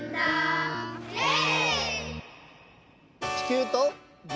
イエーイ！